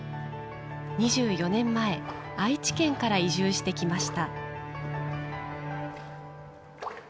２４年前、愛知県から移住してきました。